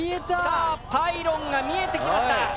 さあパイロンが見えてきました。